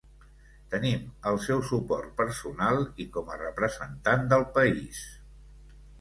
Tenim el seu suport personal i com a representant del país.